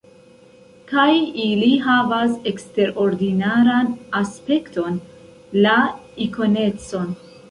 Kaj ili havas eksterordinaran aspekton: la ikonecon.